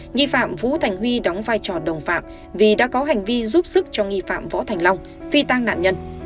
nghi phạm vũ thành huy đóng vai trò đồng phạm vì đã có hành vi giúp sức cho nghi phạm võ thành long phi tang nạn nhân